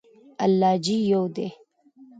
الله ج يو دی